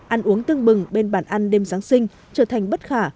ăn uống tương bừng bên bàn ăn đêm giáng sinh trở thành bất khả